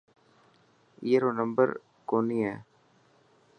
اي رو نمبر ڪوني هي.